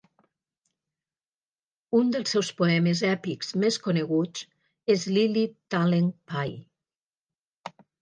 Un dels seus poemes èpics més coneguts és "Lilit Taleng Phai".